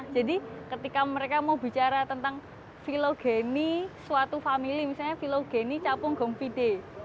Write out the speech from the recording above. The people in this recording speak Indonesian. jadi ketika mereka mau bicara tentang filogeni suatu famili misalnya filogeni capung gongpide